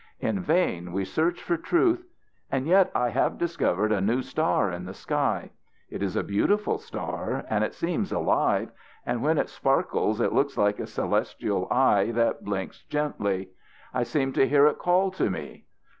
In vain we search for truth. And yet I have discovered a new star in the sky. It is a beautiful star, and it seems alive; and when it sparkles it looks like a celestial eye that blinks gently. I seem to hear it call to me.